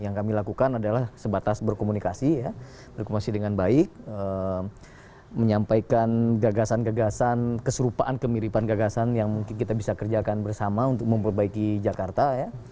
yang kami lakukan adalah sebatas berkomunikasi ya berkomunikasi dengan baik menyampaikan gagasan gagasan keserupaan kemiripan gagasan yang mungkin kita bisa kerjakan bersama untuk memperbaiki jakarta ya